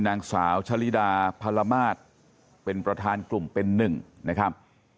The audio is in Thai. นางสาวชะลิดาพรมาศเป็นประธานกลุ่มเป็นหนึ่งนะครับ